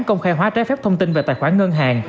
công khai hóa trái phép thông tin về tài khoản ngân hàng